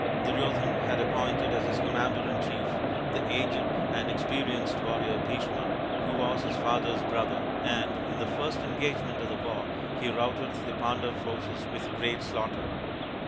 Duryodhan had appointed as his commander in chief the aged and experienced warrior Bhisma, who was his father's brother, and in the first engage ment of the war he routed the Pandav forces with great slaughter.